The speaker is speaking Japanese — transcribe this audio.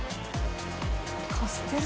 カステラ？